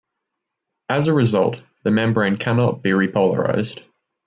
As a result, the membrane cannot be repolarized.